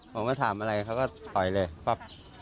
ผมก็ถามอะไรเขาก็ต่อยเลยปั๊บ